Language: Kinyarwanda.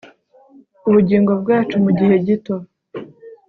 ubugingo bwacu mugihe gito